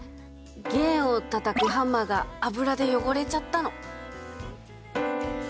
弦をたたくハンマーが油でよごれちゃったの。